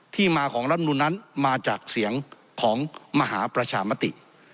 มาของรัฐมนุนนั้นมาจากเสียงของมหาประชามติ